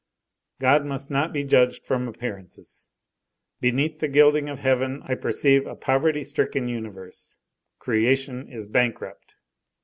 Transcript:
God must not be judged from appearances. Beneath the gilding of heaven I perceive a poverty stricken universe. Creation is bankrupt.